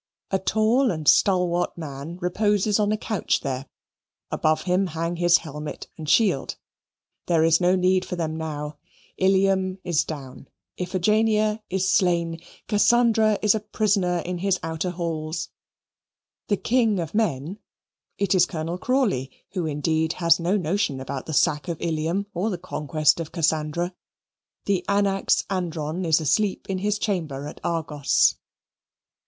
A tall and stalwart man reposes on a couch there. Above him hang his helmet and shield. There is no need for them now. Ilium is down. Iphigenia is slain. Cassandra is a prisoner in his outer halls. The king of men (it is Colonel Crawley, who, indeed, has no notion about the sack of Ilium or the conquest of Cassandra), the anax andron is asleep in his chamber at Argos.